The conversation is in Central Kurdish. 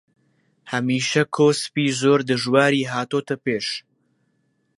هەمیشە کۆسپی زۆر دژواری هاتۆتە پێش